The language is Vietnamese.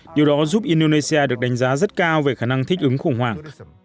điều đó giúp indonesia được đánh giá rất cao về khả năng thích ứng khủng hoảng